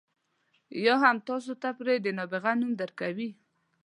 یا هم تاسو ته پرې د نابغه نوم درکوي.